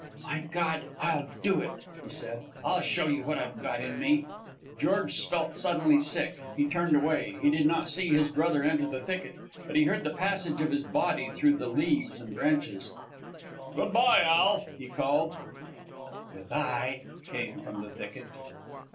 "My God! I'll do it," he said. "I'll show you what I've got in me." George felt suddenly sick. He turned away. He did not see his brother enter the thicket, but he heard the passage of his body through the leaves and branches. "Good bye, Al," he called. "Good bye," came from the thicket.